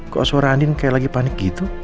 kok suara andin kayak lagi panik gitu